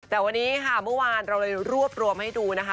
แต่วันนี้ค่ะเมื่อวานเราเลยรวบรวมให้ดูนะคะ